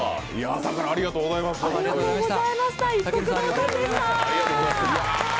朝からありがとうございました。